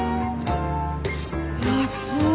安い。